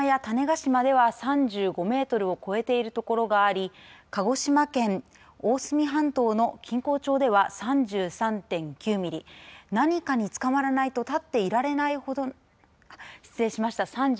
屋久島や種子島では３５メートルを超えている所があり鹿児島県大隅半島の錦江町では３３．９ミリ何かにつかまらないと立っていられない失礼しました。